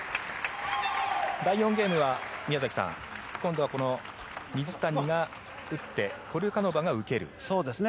第４ゲームは水谷が打ってポルカノバが受ける。